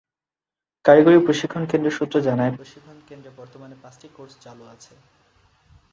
কারিগরি প্রশিক্ষণ কেন্দ্র সূত্র জানায়, প্রশিক্ষণ কেন্দ্রে বর্তমানে পাঁচটি কোর্স চালু আছে।